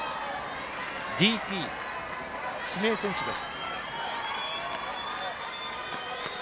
ＤＰ、指名選手です。